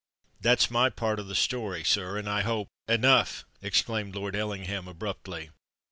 That's my part of the story, sir; and, I hope——" "Enough!" exclaimed Lord Ellingham abruptly.